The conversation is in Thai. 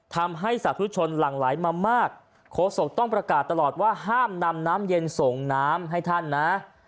สาธุชนหลั่งไหลมามากโคศกต้องประกาศตลอดว่าห้ามนำน้ำเย็นส่งน้ำให้ท่านนะ